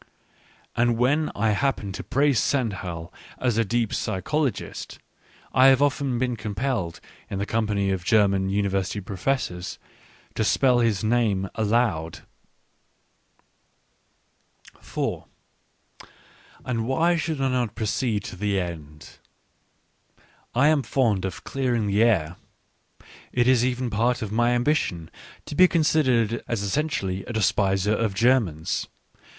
And when I happen to praise Stendhal as a deep psychologist, I have often been compelled, in the company of German University Professors, to spell his name aloud. 4 And why should I not proceed to the end ? I am fond of clearing the air. It is even part of my ^ambition to be considered as essentially a despiser )of Germans.